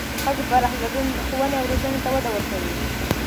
د ښځو پراخ ګډون ښوونې او روزنې ته وده ورکوي.